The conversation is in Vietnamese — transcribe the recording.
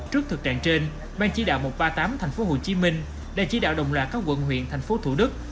trước thực trạng trên ban chỉ đạo một trăm ba mươi tám tp hcm đã chỉ đạo đồng loạt các quận huyện thành phố thủ đức